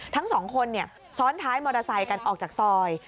ทั้งสองคนซ้อนท้ายมอเตอร์ไซค์กันออกจากซอย